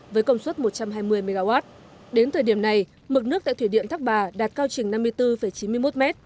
với công suất một trăm hai mươi mw đến thời điểm này mực nước tại thủy điện thác bà đạt cao trình năm mươi bốn chín mươi một m